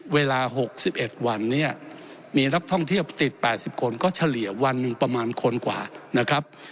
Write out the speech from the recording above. เวลา๖๑วันเนี่ยมีนักท่องเที่ยวติด๘๐คนก็เฉลี่ยวันหนึ่งประมาณคนกว่านะครับ